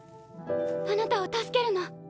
あなたを助けるの。